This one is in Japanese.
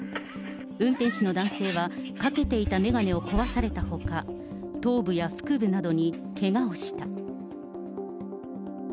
運転手の男性は、かけていた眼鏡を壊されたほか、頭部や腹部などにけがをした。